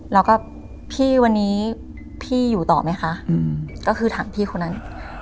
แล้วก็พี่วันนี้พี่อยู่ต่อไหมคะก็คือถามพี่คนนั้น